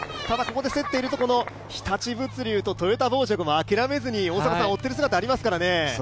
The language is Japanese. ただ、ここで競っていると日立物流もトヨタ紡織も諦めずに追っている姿がありますからね。